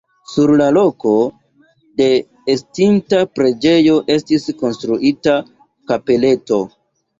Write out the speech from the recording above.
Sur la loko de estinta preĝejo estis konstruita kapeleto.